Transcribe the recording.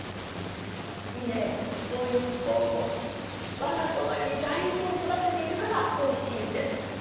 いね一本一本をわが子のように大じにそだてているからおいしいんです。